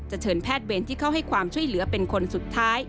เชิญแพทย์เวรที่เข้าให้ความช่วยเหลือเป็นคนสุดท้าย